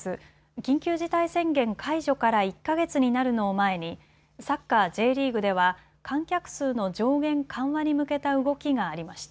緊急事態宣言解除から１か月になるのを前にサッカーＪリーグでは観客数の上限緩和に向けた動きがありました。